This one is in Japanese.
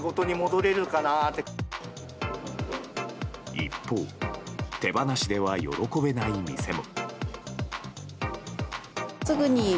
一方、手放しでは喜べない店も。